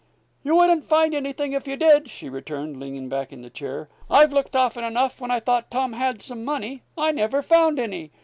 "You wouldn't find anything if you did," she returned, leaning back in her chair. "I've looked often enough, when I thought Tom had some money. I never found any.